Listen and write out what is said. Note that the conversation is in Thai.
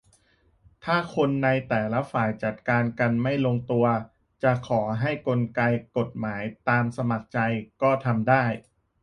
- ถ้าคนในแต่ละฝ่ายจัดการกันไม่ลงตัว จะขอใช้กลไกกฎหมาย ตามสมัครใจ ก็ทำได้